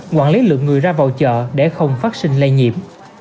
quản lý lượng người ra vào chợ để không phát sinh lây nhiễm